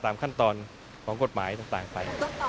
ตามขั้นตอนของกฎหมายต่างไป